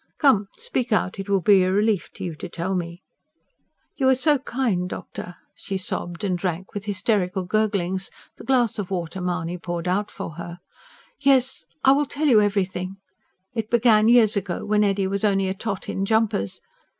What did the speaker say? Come, speak out. It will be a relief to you to tell me." "You are so kind, doctor," she sobbed, and drank, with hysterical gurglings, the glass of water Mahony poured out for her. "Yes, I will tell you everything. It began years ago when Eddy was only a tot in jumpers.